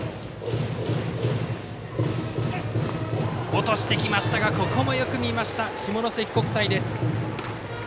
落としてきましたがここもよく見ました下関国際です。